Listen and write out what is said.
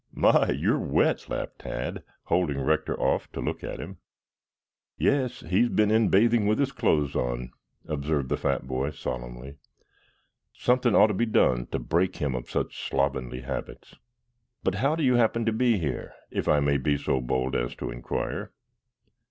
"My, you're wet!" laughed Tad, holding Rector off to look at him. "Yes, he's been in bathing with his clothes on," observed the fat boy solemnly. "Something ought to be done to break him of such slovenly habits. But how do you happen to be here, if I may be so bold as to inquire?"